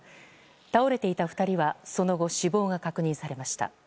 倒れていた２人はその後、死亡が確認されました。